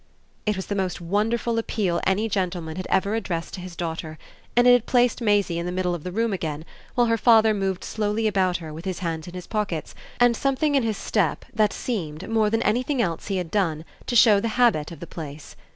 It was the most wonderful appeal any gentleman had ever addressed to his daughter, and it had placed Maisie in the middle of the room again while her father moved slowly about her with his hands in his pockets and something in his step that seemed, more than anything else he had done, to show the habit of the place.